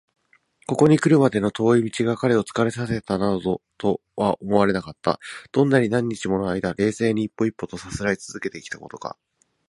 ここにくるまでの遠い道が彼を疲れさせたなどとは思われなかった。どんなに何日ものあいだ、冷静に一歩一歩とさすらいつづけてきたことか！